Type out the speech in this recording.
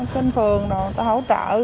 trên phường người ta hỗ trợ